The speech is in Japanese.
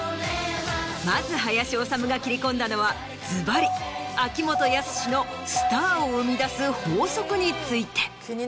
まず林修が切り込んだのはずばり秋元康のスターを生み出す法則について。